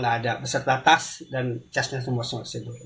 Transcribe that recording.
hilang tidak ada beserta tas dan casnya semua semua disitu